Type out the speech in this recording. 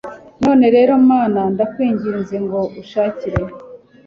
None rero Mana ndakwinginze ngo ushakire